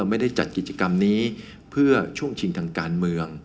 ไม่ได้จัดกิจกรรมนี้เพื่อช่วงชิงทางการเมือง